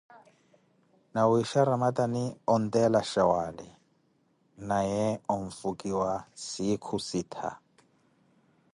Nawiisha ramatani, onteela shawaali, naye onfukiwa siikho sittha.